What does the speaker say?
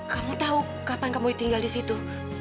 kamu tahu kapan kamu tinggal di situ